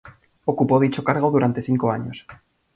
Ocupó dicho cargo durante cinco años.